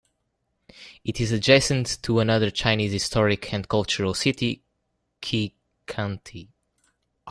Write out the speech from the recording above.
It is adjacent to another Chinese Historic and Cultural City Qi County.